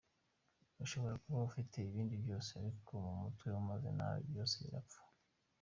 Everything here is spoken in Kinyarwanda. Ushobora kuba ufite ibindi byose ariko mu mutwe umeze nabi, byose birapfa.